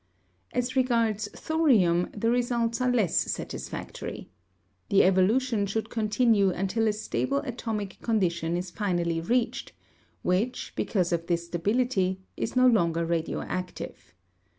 As regards thorium the results are less satisfactory. The evolution should continue until a stable atomic condition is finally reached, which, because of this stability, is no longer radioactive.